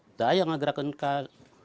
tidak ada yang bergerak ke bawah